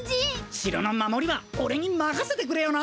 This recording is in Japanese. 城の守りはおれにまかせてくれよな！